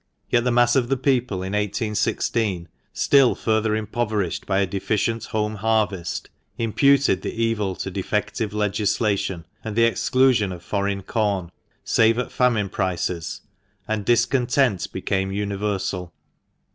Yet the mass of the people in 1816, still further impoverished by a deficient home harvest, imputed the evil to defective legislation, and the exclusion of foreign corn, save at famine prices, and discontent became universal.